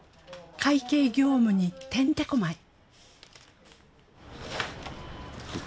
会計業務にてんてこ舞い。